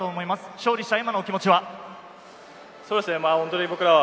勝利した今のお気持ちは？